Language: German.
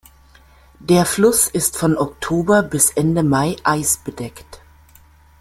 Der Fluss ist von Oktober bis Ende Mai eisbedeckt.